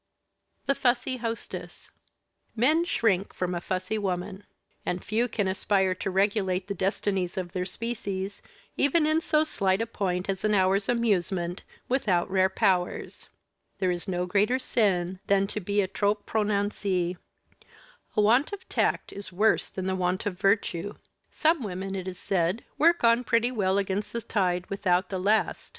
THE FUSSY HOSTESS Men shrink from a fussy woman. And few can aspire to regulate the destinies of their species, even in so slight a point as an hour's amusement, without rare powers. There is no greater sin than to be trop prononcée. A want of tact is worse than a want of virtue. Some women, it is said, work on pretty well against the tide without the last.